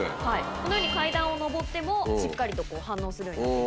このように階段を上ってもしっかりと反応する。